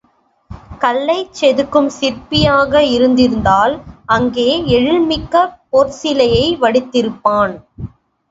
கல்லைச் செதுக்கும் சிற்பியாக இருந்திருந்தால் அங்கே எழில் மிக்க பொற் சிலையை வடித்திருப்பான்.